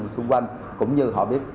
xung quanh cũng như họ biết